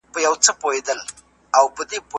د جنازې په مراسمو کي چا ګډون کړی و؟